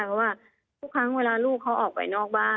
เพราะว่าทุกครั้งเวลาลูกเขาออกไปนอกบ้าน